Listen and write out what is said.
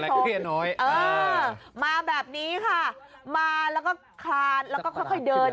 แต่น้อยมาแบบนี้ค่ะมาแล้วก็คานแล้วก็ค่อยเดิน